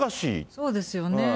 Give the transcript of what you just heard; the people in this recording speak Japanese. そうですよね。